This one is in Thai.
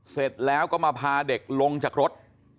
เสร็จแล้วก็มาพาเด็กลงจากรถ